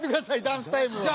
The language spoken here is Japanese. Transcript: ダンスタイムは。